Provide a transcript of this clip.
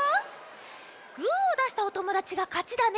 グーをだしたおともだちがかちだね。